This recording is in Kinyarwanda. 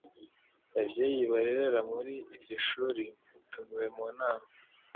babyeyi barerera kuri iryo shuri mutumiwe munama